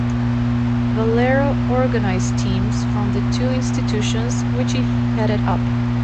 Valero organized teams from the two institutions, which he headed up.